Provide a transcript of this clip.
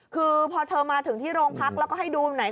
คือพอเธอมาถึงที่โรงพักแล้วก็ให้ดูไหน